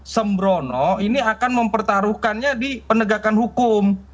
sembrono ini akan mempertaruhkannya di penegakan hukum